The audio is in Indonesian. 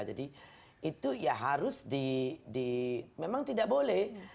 jadi itu ya harus di memang tidak boleh